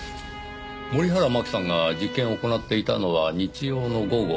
森原真希さんが実験を行っていたのは日曜の午後。